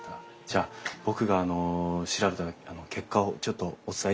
じゃあ僕が調べた結果をちょっとお伝えいたします。